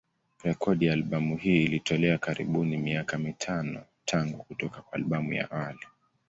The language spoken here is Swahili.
Rekodi ya albamu hii ilitolewa karibuni miaka mitano tangu kutoka kwa albamu ya awali.